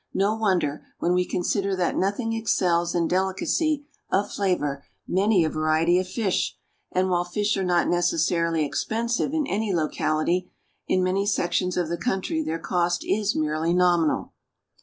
No wonder, when we consider that nothing excels in delicacy of flavor many a variety of fish; and, while fish are not necessarily expensive in any locality, in many sections of the country their cost is merely nominal.